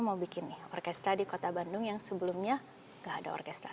mau bikin nih orkestra di kota bandung yang sebelumnya gak ada orkestra